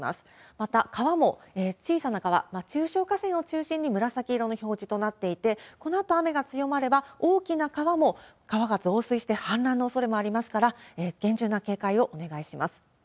また川も、小さな川、中小河川を中心に紫色の表示となっていて、このあと雨が強まれば、大きな川も、川が増水して反乱のおそれもありますから、厳重な警戒をお願いします。